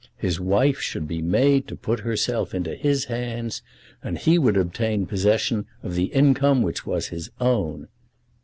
His wife should be made to put herself into his hands, and he would obtain possession of the income which was his own.